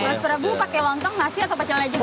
pak heru pakai lontong nasi atau pakai lontong juga